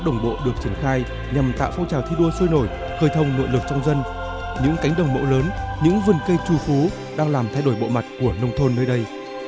nhằm tạo phong trào thi đua xuôi nổi khởi thông nội lực trong dân những cánh đồng mẫu lớn những vườn cây trù phú đang làm thay đổi bộ mặt của nông thôn nơi đây